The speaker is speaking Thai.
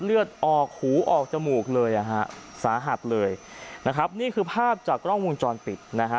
เลือดออกหูออกจมูกเลยอ่ะฮะสาหัสเลยนะครับนี่คือภาพจากกล้องวงจรปิดนะฮะ